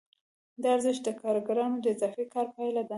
دا ارزښت د کارګرانو د اضافي کار پایله ده